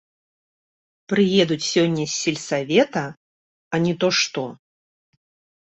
Прыедуць сёння з сельсавета, а не то што.